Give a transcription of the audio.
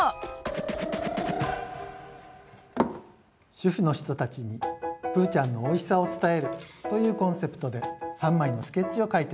主婦の人たちに「プーちゃんのおいしさを伝える」というコンセプトで３枚のスケッチを描いてみました。